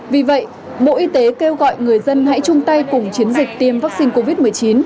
vì vậy bộ y tế kêu gọi người dân hãy chung tay cùng chiến dịch tiêm vaccine covid một mươi chín